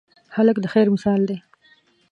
هلک د خیر مثال دی.